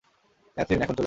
Catherine, এখন চলে যাও!